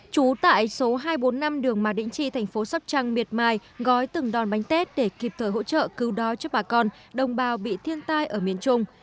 trú tại số hai trăm bốn mươi năm đường mạc đĩnh tri thành phố sóc trăng miệt mài gói từng đòn bánh tết để kịp thời hỗ trợ cứu đói cho bà con đồng bào bị thiên tai ở miền trung